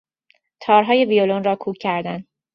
تارهای ویولن را کوک کردن